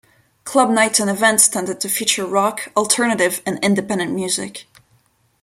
Club nights and events tended to feature rock, alternative and independent music.